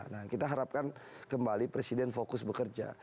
nah kita harapkan kembali presiden fokus bekerja